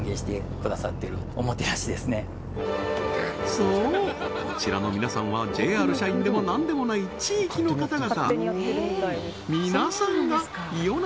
そうこちらの皆さんはＪＲ社員でも何でもない地域の方々皆さんが伊予灘